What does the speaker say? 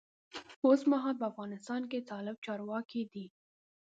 اوسمهال په افغانستان کې طالب چارواکی دی.